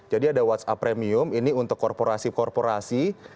jadi ada whatsapp premium ini untuk korporasi korporasi